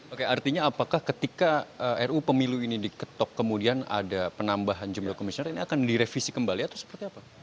oke artinya apakah ketika ruu pemilu ini diketok kemudian ada penambahan jumlah komisioner ini akan direvisi kembali atau seperti apa